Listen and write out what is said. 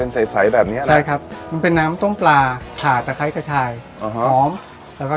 ใสใสแบบเนี้ยอะไรใช่ครับมันเป็นน้ำต้มปลาขาดตะไคร้กระชายอ๋อหอมแล้วก็